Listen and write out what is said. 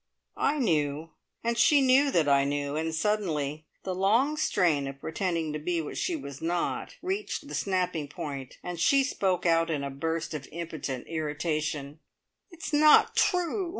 I knew, and she knew that I knew, and suddenly the long strain of pretending to be what she was not reached the snapping point, and she spoke out in a burst of impotent irritation: "It's not true!